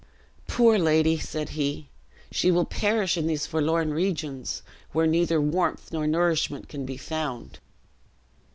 "Poor lady!" said he, "she will perish in these forlorn regions, where neither warmth nor nourishment can be found."